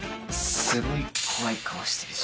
すごい怖い顔してるし。